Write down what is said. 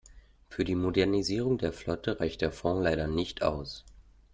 Für die Modernisierung der Flotte reicht der Fond leider nicht aus.